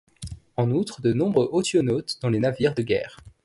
En outre, de nombreux Othoniotes dans les navires de guerre.